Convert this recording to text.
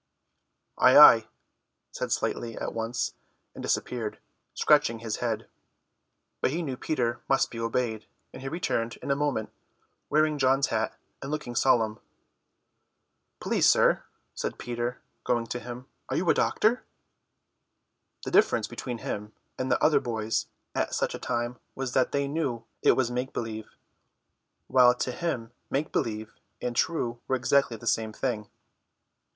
"Ay, ay," said Slightly at once, and disappeared, scratching his head. But he knew Peter must be obeyed, and he returned in a moment, wearing John's hat and looking solemn. "Please, sir," said Peter, going to him, "are you a doctor?" The difference between him and the other boys at such a time was that they knew it was make believe, while to him make believe and true were exactly the same thing.